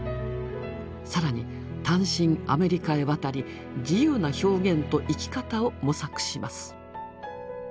更に単身アメリカへ渡り自由な表現と生き方を模索します。